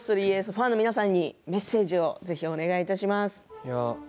ファンの皆さんにメッセージお願いします。